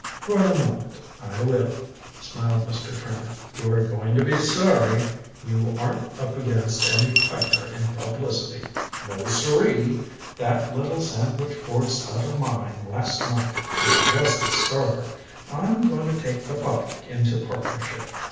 "For the moment, I will," smiled Mr. Trimmer. "But I warn you, Mr. Harrowby, you are going to be sorry. You aren't up against any piker in publicity no siree. That little sandwich board stunt of mine last night was just a starter. I'm going to take the public into partnership.